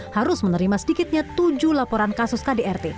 harus menerima sedikitnya tujuh laporan kasus kdrt